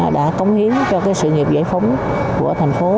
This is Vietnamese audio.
đã cống hiến cho sự nghiệp giải phóng của thành phố